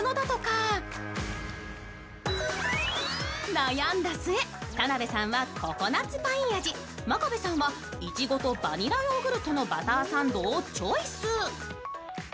悩んだ末、田辺さんはココナッツ×パイン味、真壁さんはイチゴとバニラヨーグルトのバターサンドをチョイス。